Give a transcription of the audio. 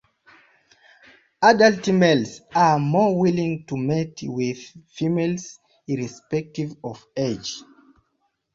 Adult males are more willing to mate with females irrespective of age.